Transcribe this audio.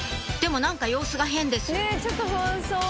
何か様子が変です